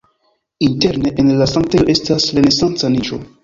Interne en la sanktejo estas renesanca niĉo.